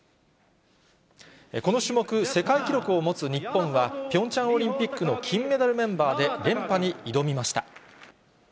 この種目、世界記録を持つ日本は、ピョンチャンオリンピックの金メダルメンバーで連覇に挑みました。